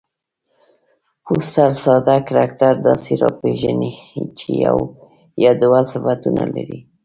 فوسټر ساده کرکټر داسي راپېژني، چي یو یا دوه صفتونه لري.